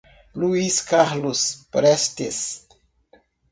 Luiz Carlos Prestes